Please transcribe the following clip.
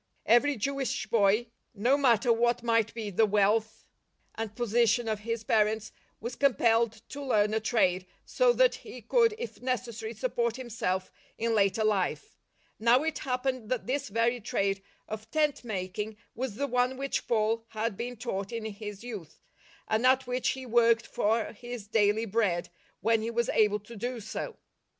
Every Jewish boy, : no matter what might be the w^ealth and I position of his parents, was compelled to ! learn a trade, so that he could if necessary } support himself in later life. Now it hap I pened that this very trade of tent making was the one which Paul had been taught in his youth, and at which he worked for his daily bread when he was able to do so.